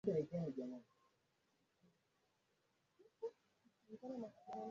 tayari wamesema wanatafuta uongozi